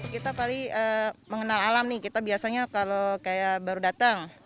kita paling mengenal alam nih kita biasanya kalau kayak baru datang